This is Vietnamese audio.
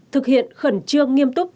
thực hiện khẩn trương nghiêm túc